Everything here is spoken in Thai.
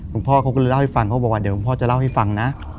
พ่อเขาก็เลยเล่าให้ฟังเขาบอกว่าเดี๋ยวคุณพ่อจะเล่าให้ฟังนะ